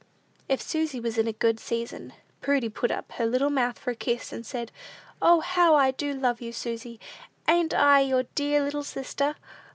If Susy was in good season, Prudy put up her little mouth for a kiss, and said, "O, how I do love you, Susy! Ain't I your dear little sister?